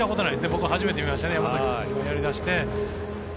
僕、初めて見ましたね山崎選手がやりだして。